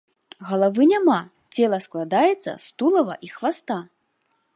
Галавы няма, цела складаецца з тулава і хваста.